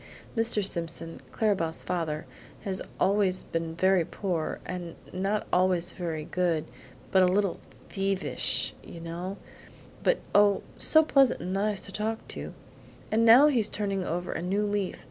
Mr. Simpson, Clara Belle's father, has always been very poor, and not always very good, a little bit THIEVISH, you know but oh, so pleasant and nice to talk to! And now he's turning over a new leaf.